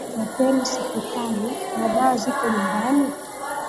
Nifwateni sipitali, na dawa ziko nyumbani?